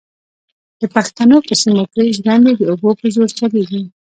د پښتنو په سیمو کې ژرندې د اوبو په زور چلېږي.